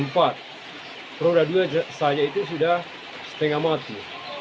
roda dua saya itu sudah setengah mati